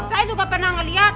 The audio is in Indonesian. saya juga pernah ngelihat